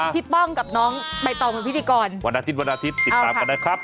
ติดตามกันด้วยนะจ๊ะวันอาทิตย์ติดตามกันได้ครับ